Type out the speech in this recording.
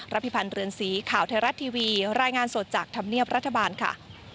พิพันธ์เรือนสีข่าวไทยรัฐทีวีรายงานสดจากธรรมเนียบรัฐบาลค่ะ